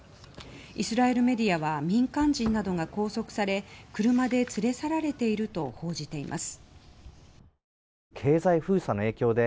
イスラエルメディアは民間人などが拘束され車で連れ去られていると報じています。